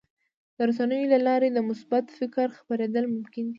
د رسنیو له لارې د مثبت فکر خپرېدل ممکن دي.